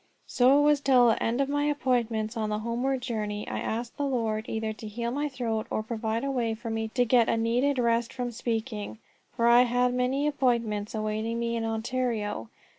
So it was till the end of my appointments. On the homeward journey I asked the Lord either to heal my throat, or to provide a way for me to get a needed rest from speaking, for I had many appointments awaiting me in Ontario.